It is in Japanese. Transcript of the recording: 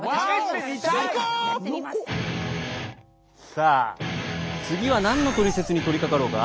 さあ次は何のトリセツに取りかかろうか？